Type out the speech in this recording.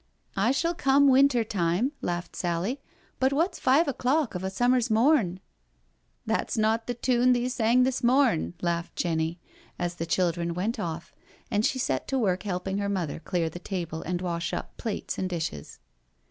" I shall come winter time," laughed Sally; " but wot's five o'clock of a summer's morn." " That's not the tune thee sang this morn," laughed 'Jenny, as the children went off, and she set to work helping her mother clear the table and wash up plates and dishes.